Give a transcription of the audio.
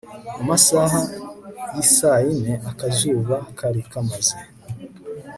Mumasaha yisayine akazuba kari kamaze